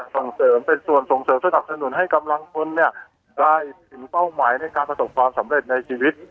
ส่งเสริมเป็นส่วนส่งเสริมสนับสนุนให้กำลังพลได้ถึงเป้าหมายในการประสบความสำเร็จในชีวิต